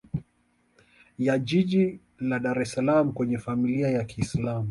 ya jiji la Dar es salaam kwenye Familia ya kiislam